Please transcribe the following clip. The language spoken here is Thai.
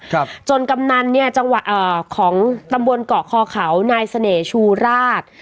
ครับจนกำนันเนี้ยจังหวะเอ่อของตำบลเกาะคอเขานายเสน่ห์ชูราช